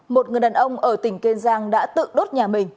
một người đàn ông ở tỉnh kiên giang đã tự đốt nhà mình